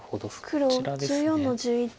黒１４の十一。